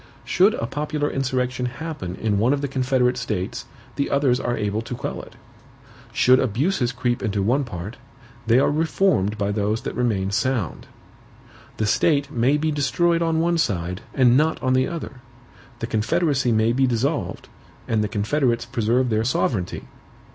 "Should a popular insurrection happen in one of the confederate states the others are able to quell it. Should abuses creep into one part, they are reformed by those that remain sound. The state may be destroyed on one side, and not on the other; the confederacy may be dissolved, and the confederates preserve their sovereignty."